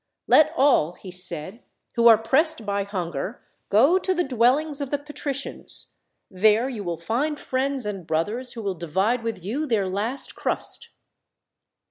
"Let all," he said, "who are pressed by hunger, go to the dwellings of the patricians. There you will find friends and brothers, who will divide with you their last crust."